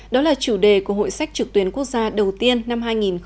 đó là chủ đề của hội sách trực tuyến quốc gia đầu tiên năm hai nghìn hai mươi